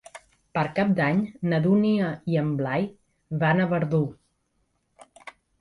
Per Cap d'Any na Dúnia i en Blai van a Verdú.